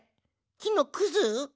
きのくず？